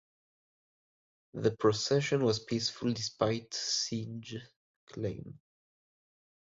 The procession was peaceful despite Singh’s claim.